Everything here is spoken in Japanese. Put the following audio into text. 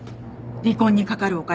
離婚にかかるお金。